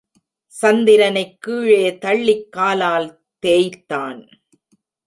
சந்திரனைக் கீழே தள்ளிக் காலால் தேய்த்தான்.